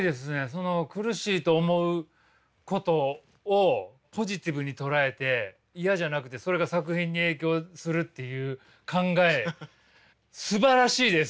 その苦しいと思うことをポジティブに捉えて嫌じゃなくてそれが作品に影響するっていう考えすばらしいです！